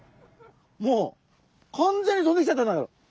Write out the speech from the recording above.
もう完全に飛んできちゃった。